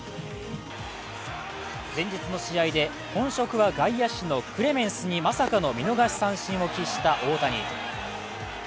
前日の試合で本職は外野手のクレメンスにまさかの見逃し三振を喫した大谷。